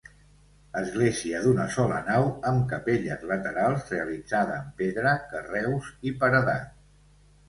Església d'una sola nau amb capelles laterals, realitzada en pedra, carreus i paredat.